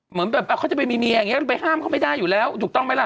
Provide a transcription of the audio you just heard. เหมือนแบบเขาจะไปมีเมียอย่างนี้ไปห้ามเขาไม่ได้อยู่แล้วถูกต้องไหมล่ะ